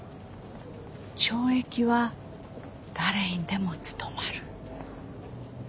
懲役は誰にでも務まる。